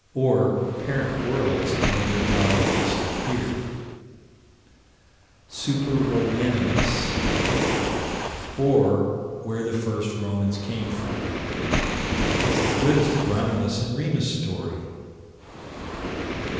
Or parent worlds and their colonies here Super Romanimus Or where the first Romans came from. It's as good as the Romulus and Remus story.